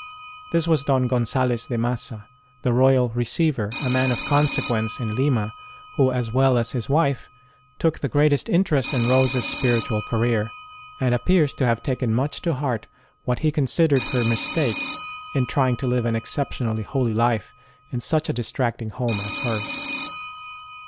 This was Don Gonzalez de Massa, the Royal Receiver, a man of conse quence in Lima, who, as well as his wife, took the greatest interest in Rose s spiritual career, and appears to have taken much to heart what he considered her mistake in trying to live an excep tionally holy life in such a distracting home as hers.